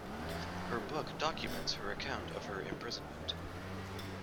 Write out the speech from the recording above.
Her book documents her account of her imprisonment.